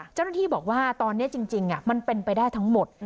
เจ้าหน้าที่บอกว่าตอนนี้จริงมันเป็นไปได้ทั้งหมด